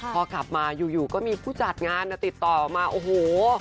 พอกลับมาอยู่ก็มีผู้จัดงานติดต่อมาโอ้โห